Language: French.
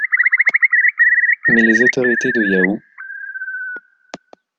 Mais les autorités de Yahoo!